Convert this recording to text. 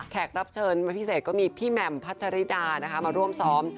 รับเชิญมาพิเศษก็มีพี่แหม่มพัชริดานะคะมาร่วมซ้อม